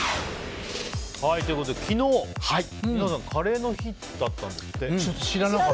昨日、皆さんカレーの日だったんですって。